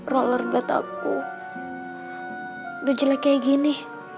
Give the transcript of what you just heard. rollerblade aku udah jelek kayak gini